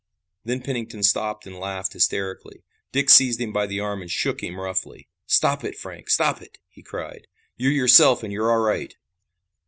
Then Pennington stopped and laughed hysterically, Dick seized him by the arm and shook him roughly. "Stop it, Frank! Stop it!" he cried. "You're yourself, and you're all right!"